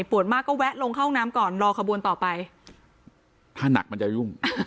มากก็แวะลงเข้าห้องน้ำก่อนรอขบวนต่อไปถ้าหนักมันจะยุ่ง